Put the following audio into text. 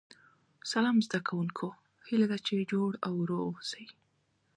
سلام زده کوونکو هیله ده چې جوړ او روغ اوسئ